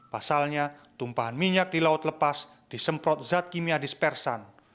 gumpalan minyak di laut lepas disemprot zat kimia dispersan